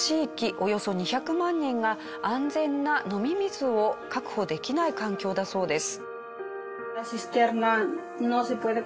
およそ２００万人が安全な飲み水を確保できない環境だそうです。